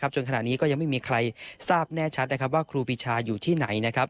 จนขณะนี้ก็ยังไม่มีใครทราบแน่ชัดว่าครูปีชาอยู่ที่ไหนนะครับ